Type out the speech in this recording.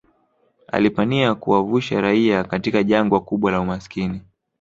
alipania kuwavuusha raia katika jangwa kubwa la umasikini